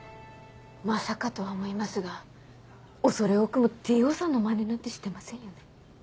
まさかとは思いますが恐れ多くもＴ・Ｏさんのマネなんてしてませんよね。